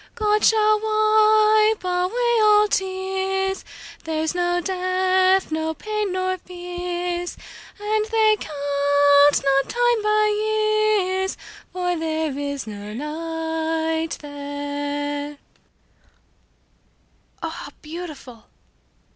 "God shall wipe away all tears; There's no death, no pain, nor fears; And they count not time by years, For there is no night there. "Oh, how beautiful!"